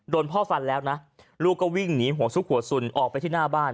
โดนพ่อฟันแล้วนะลูกก็วิ่งหนีหัวซุกหัวสุนออกไปที่หน้าบ้าน